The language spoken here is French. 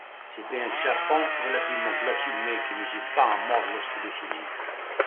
C'est un serpent relativement placide mais qui n'hésite pas à mordre lorsqu'il est saisi.